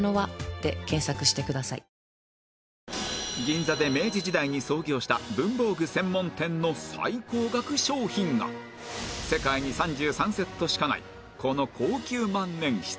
銀座で明治時代に創業した文房具専門店の最高額商品が世界に３３セットしかないこの高級万年筆